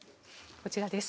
こちらです。